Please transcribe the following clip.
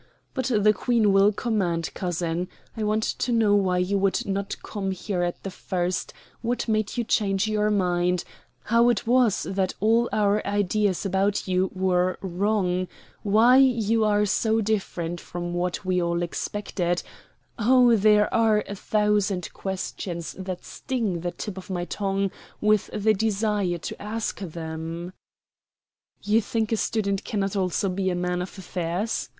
But the Queen will command, cousin. I want to know why you would not come here at the first; what made you change your mind; how it was that all our ideas about you were wrong; why you are so different from what we all expected oh, there are a thousand questions that sting the tip of my tongue with the desire to ask them." "You think a student cannot also be a man of affairs?"